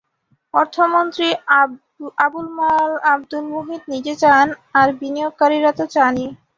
অর্থমন্ত্রী আবুল মাল আবদুল মুহিত নিজে চান, আর বিনিয়োগকারীরা তো চানই।